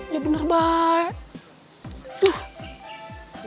ya bener baik